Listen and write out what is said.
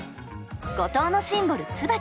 五島のシンボルつばき。